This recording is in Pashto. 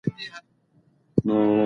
موږ به دا هېواد پخپله اباد کړو.